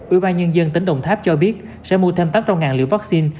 ủy ban nhân dân tỉnh đồng tháp cho biết sẽ mua thêm tám liệu vaccine